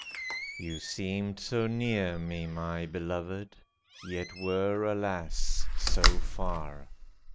You seemed so near me, my beloved, Yet were, alas, so far